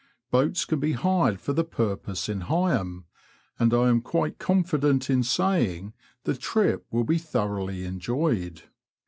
Boats can be hired for the purpose in Heigham, and I am quite confident in saying the trip will be thoroughly enjoyed.